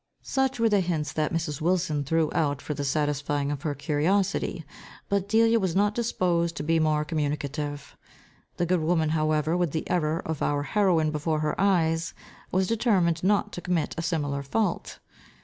Such were the hints that Mrs. Wilson threw out for the satisfying of her curiosity, but Delia was not disposed to be more communicative. The good woman however, with the error of our heroine before her eyes, was determined not to commit a similar fault.